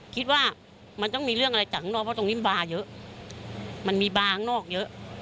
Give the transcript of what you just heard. คิดว่ามันต้องมีเรื่องอะไรจากข้างนอกเพราะตรงนี้มันบาร์เยอะมันมีบางนอกเยอะ